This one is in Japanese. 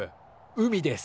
海です。